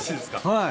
はい。